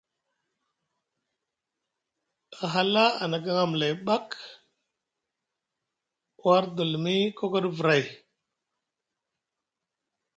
A hala a nagaŋ amlay ɓak war dulumi kokoɗi vray.